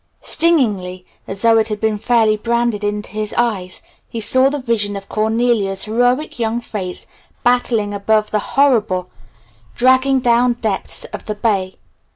Stingingly, as though it had been fairly branded into his eyes, he saw the vision of Cornelia's heroic young face battling above the horrible, dragging down depths of the bay.